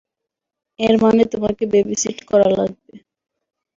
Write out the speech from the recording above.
এর মানে তোমাকে বেবিসিট করা লাগবে।